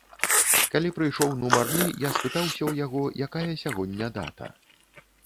Калі прыйшоў нумарны, я спытаўся ў яго, якая сягоння дата?